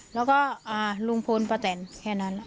แล้วก็ลุงพลป้าแตนแค่นั้น